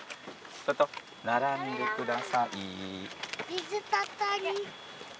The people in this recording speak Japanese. ちょっと並んでください。